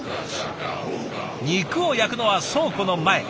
肉を焼くのは倉庫の前。